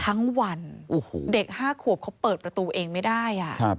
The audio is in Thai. ทั้งวันเด็ก๕ขวบเขาเปิดประตูเองไม่ได้